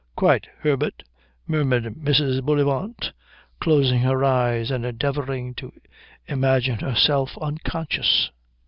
"Quite, Herbert," murmured Mrs. Bullivant, closing her eyes and endeavouring to imagine herself unconscious.